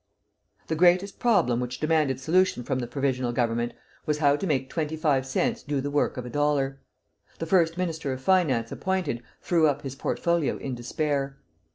The greatest problem which demanded solution from the Provisional Government was how to make twenty five cents do the work of a dollar. The first Minister of Finance appointed, threw up his portfolio in despair.